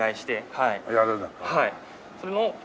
はい。